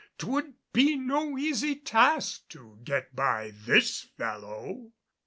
'Twould be no easy task to get by this fellow.